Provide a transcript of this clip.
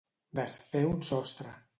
Desfer un sostre.